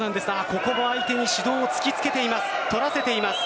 ここも相手に指導を突き付けています。